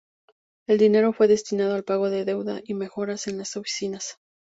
El dinero fue destinado al pago de la deuda y mejoras en las oficinas.